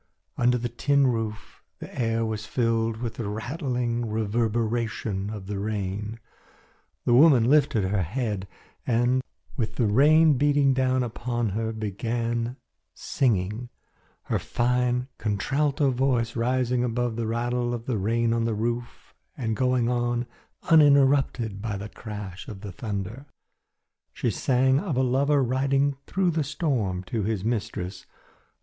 Under the tin roof, the air was filled with the rattling reverberation of the rain. The woman lifted her head and, with the rain beating down upon her, began singing, her fine contralto voice rising above the rattle of the rain on the roof and going on uninterrupted by the crash of the thunder. She sang of a lover riding through the storm to his mistress.